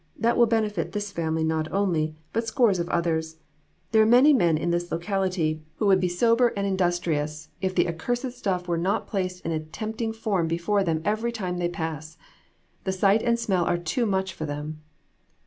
That will benefit this family not only, but scores of others. There are many men in this locality who would be sober and AN EVENTFUL AFTERNOON. 30$ industrious, if the accursed stuff were not placed in a tempting form before them every time they pass. The sight and smell are too much for them."